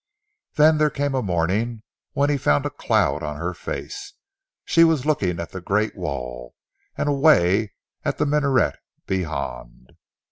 Then there came a morning when he found a cloud on her face. She was looking at the great wall, and away at the minaret beyond.